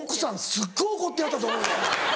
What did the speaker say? すっごい怒ってはったと思うで。